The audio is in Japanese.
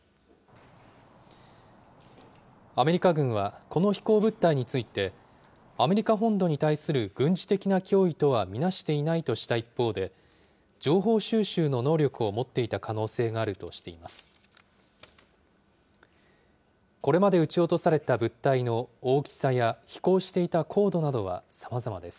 アメリカ軍はこの飛行物体について、アメリカ本土に対する軍事的な脅威とは見なしていないとした一方で、情報収集の能力を持っていた可能性があるとしています。